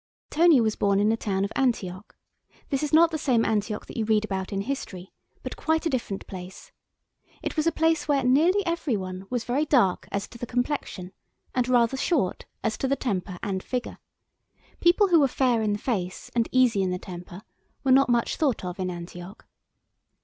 Tony was born in the town of Antioch. This is not the same Antioch that you read about in history, but quite a different place. It was a place where nearly every one was very dark as to the complexion, and rather short as to the temper and figure. People who were fair in the face and easy in the temper were not thought much of in Antioch.